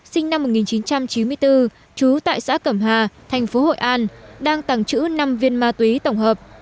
sinh năm một nghìn chín trăm chín mươi bốn trú tại xã cẩm hà tp hội an đang tẳng chữ năm viên ma túy tổng hợp